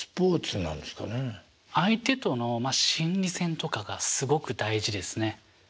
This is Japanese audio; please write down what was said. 相手とのまあ心理戦とかがすごく大事ですね。